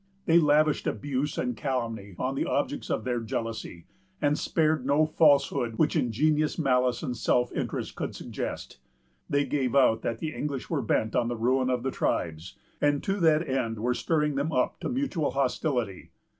They lavished abuse and calumny on the objects of their jealousy, and spared no falsehood which ingenious malice and self interest could suggest. They gave out that the English were bent on the ruin of the tribes, and to that end were stirring them up to mutual hostility.